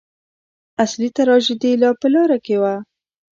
اصلي تراژیدي لا په لاره کې وه.